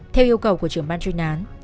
theo yêu cầu của trưởng ban chuyên án